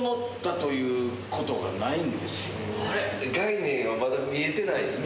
概念がまだ見えてないですね。